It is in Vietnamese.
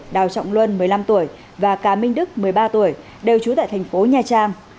đào trọng luân một mươi năm tuổi và cà minh đức một mươi ba tuổi đều trú tại tp nha trang